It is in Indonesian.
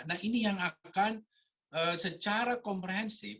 nah ini yang akan secara komprehensif